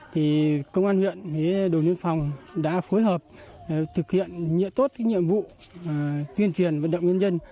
thì công an huyện đồng nhân phòng đã phối hợp thực hiện tốt những nhiệm vụ tuyên truyền vận động nhân dân